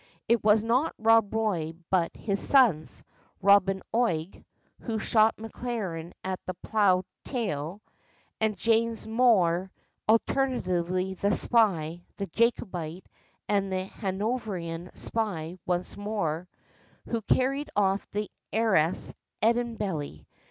It was not Rob Roy but his sons, Robin Oig (who shot Maclaren at the plough tail), and James Mohr (alternately the spy, the Jacobite, and the Hanoverian spy once more), who carried off the heiress of Edenbelly.